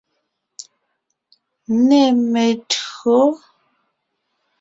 Nê me[o tÿǒ.